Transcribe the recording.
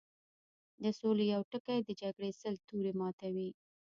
د سولې يو ټکی د جګړې سل تورې ماتوي